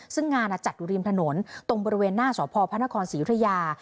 ซึ่งงานจากดูรีมถนนตรงบริเวณหน้าสพศศิริยา